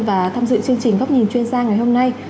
và tham dự chương trình góc nhìn chuyên gia ngày hôm nay